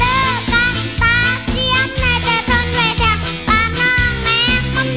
อาทังวัดอาทังวัดอาทังวัดอาทังวัดอาทังวัด